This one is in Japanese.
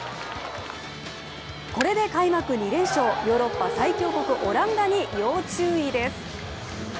これで開幕２連勝、ヨーロッパ最強国オランダに要注意です。